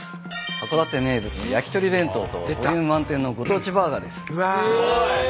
函館名物やきとり弁当とボリューム満点のご当地バーガーです。